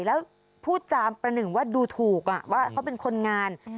แล้วพูดจามประหนึ่งว่าดูถูกว่าเขาเป็นคนงาน